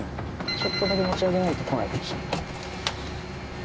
ちょっとだけ持ち上げないと来ないかもしれない。